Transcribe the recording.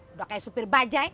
udah kayak supir bajaj